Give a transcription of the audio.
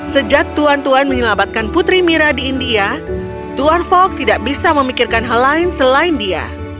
sejak tuan tuan menyelamatkan putri mira di india tuan fok tidak bisa memikirkan hal lain selain dia